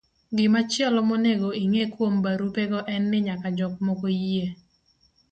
Gimachielo monego ing'e kuom barupego en ni nyaka jok moko yie